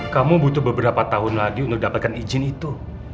kamu butuh beberapa tahun lagi untuk dapatkan izin itu